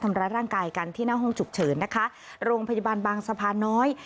ทำร้ายร่างกายกันที่หน้าห้องฉุกเฉินนะคะโรงพยาบาลบางสะพานน้อย